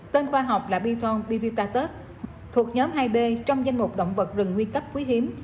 tên khoa học là biton britaus thuộc nhóm hai b trong danh mục động vật rừng nguy cấp quý hiếm